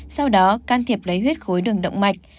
sau đó can thiệp lấy huyết khối đường động mạch